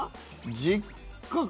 実家か。